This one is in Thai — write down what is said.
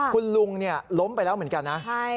คุณลุงล้มไปแล้วเหมือนกันนะ